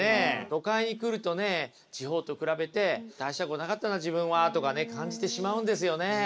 都会に来るとね地方と比べて大したことなかったな自分はとかね感じてしまうんですよね。